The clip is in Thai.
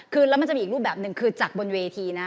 คือแล้วมันจะมีอีกรูปแบบหนึ่งคือจากบนเวทีนะ